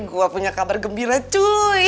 gue punya kabar gembira cuy